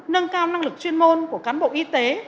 nâng cao năng lực chuyên môn của cán bộ y tế